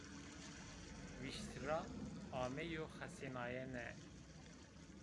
Vîştira ameyo xesênayene